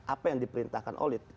apa yang diperintahkan oleh